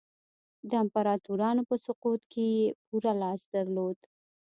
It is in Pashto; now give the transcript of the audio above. د امپراتورانو په سقوط کې یې پوره لاس درلود.